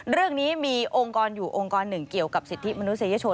เรื่องนี้มีองค์กรอยู่องค์กรหนึ่งเกี่ยวกับสิทธิมนุษยชน